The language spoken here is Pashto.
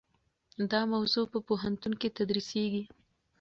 دا موضوع په پوهنتون کې تدریسیږي.